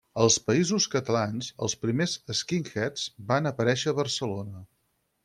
Als Països Catalans, els primers skinheads van aparèixer a Barcelona.